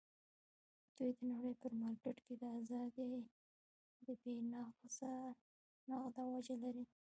دوی د نړۍ په مارکېټ کې د ازادۍ د بیې نغده وجه لري.